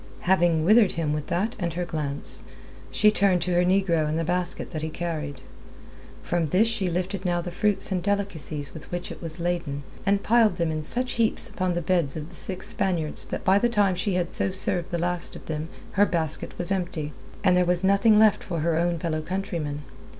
Having withered him with that and her glance, she turned to her negro and the basket that he carried. From this she lifted now the fruits and delicacies with which it was laden, and piled them in such heaps upon the beds of the six Spaniards that by the time she had so served the last of them her basket was empty, and there was nothing left for her own fellow countrymen.